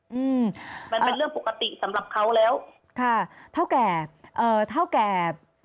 อืมมันเป็นเรื่องปกติสำหรับเขาแล้วค่ะเท่าแก่เอ่อเท่าแก่